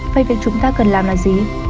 vậy việc chúng ta cần làm là gì